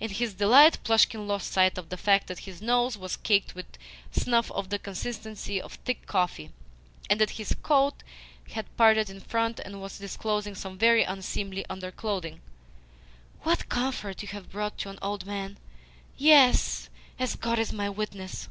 In his delight Plushkin lost sight of the fact that his nose was caked with snuff of the consistency of thick coffee, and that his coat had parted in front and was disclosing some very unseemly underclothing. "What comfort you have brought to an old man! Yes, as God is my witness!"